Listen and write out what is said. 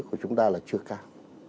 của chúng ta là chưa cao